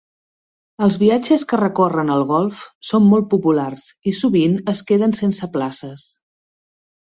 Els viatges que recorren el golf són molt populars i sovint es queden sense places.